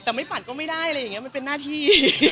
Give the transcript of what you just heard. แต่ไม่ปัดก็ไม่ได้อะไรอย่างนี้มันเป็นหน้าที่